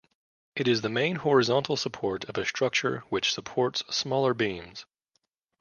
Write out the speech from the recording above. It is the main horizontal support of a structure which supports smaller beams.